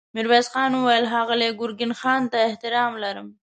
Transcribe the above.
ميرويس خان وويل: ښاغلي ګرګين خان ته احترام لرم.